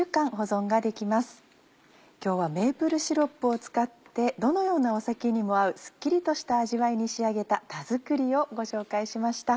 今日はメープルシロップを使ってどのような酒にも合うスッキリとした味わいに仕上げた田作りをご紹介しました。